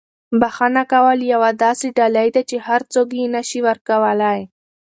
بښنه کول یوه داسې ډالۍ ده چې هر څوک یې نه شي ورکولی.